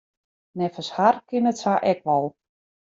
Neffens har kin it sa ek wol.